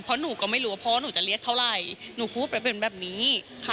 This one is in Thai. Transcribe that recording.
เพราะหนูก็ไม่รู้ว่าพ่อหนูจะเรียกเท่าไหร่หนูพูดไปเป็นแบบนี้ค่ะ